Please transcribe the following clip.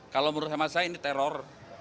kalau menurut hemat saya ini teror